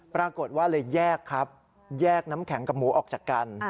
ปรากฏว่าเลยแยกครับแยกน้ำแข็งกับหมูออกจากกัน